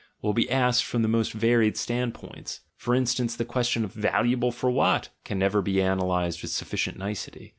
will be asked from the most varied standpoints. For instance, the question of "valuable for what" can never be analysed with sufficient nicety.